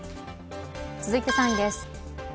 続いて３位です。